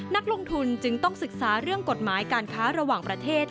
นักลงทุนจึงต้องศึกษาเรื่องกฎหมายการค้าระหว่างประเทศ